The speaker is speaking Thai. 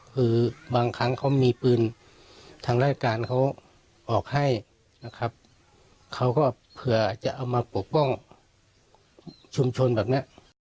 คือบางครั้งเขามีปืนทางราชการเขาออกให้นะครับเขาก็เผื่อจะเอามาปกป้องชุมชนแบบเนี้ย